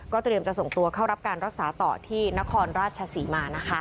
เตรียมจะส่งตัวเข้ารับการรักษาต่อที่นครราชศรีมานะคะ